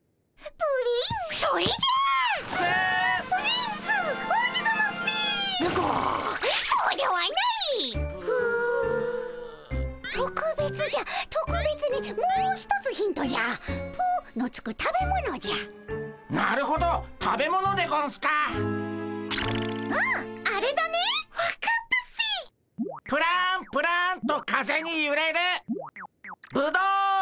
プランプランと風にゆれるブドウン。